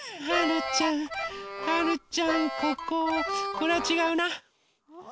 これはちがうな。